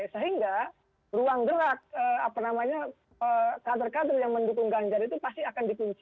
sehingga ruang gerak kader kader yang mendukung ganjar itu pasti akan dikunci